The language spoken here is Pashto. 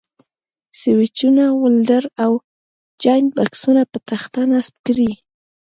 سویچونه، ولډر او جاینټ بکسونه پر تخته نصب کړئ.